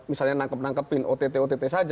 misalnya menangkap nangkepin ott ott saja